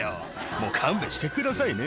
もう勘弁してくださいね。